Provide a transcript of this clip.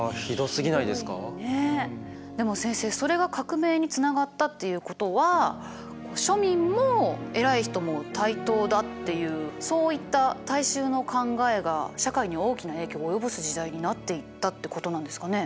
でも先生それが革命につながったっていうことは庶民も偉い人も対等だっていうそういった大衆の考えが社会に大きな影響を及ぼす時代になっていったってことなんですかね？